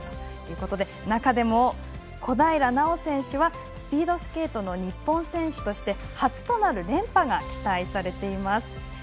中でも、小平奈緒選手はスピードスケートの日本選手として初となる連覇が期待されています。